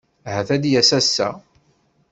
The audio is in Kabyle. Ahat ad d-yas ass-a.